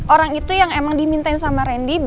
orang itu yang emang dimintain sama randy